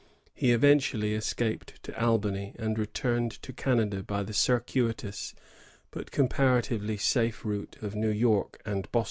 He eventually escaped to Albany, and returned to Canada by the circuitous but comparatively safe route of New York and Boston.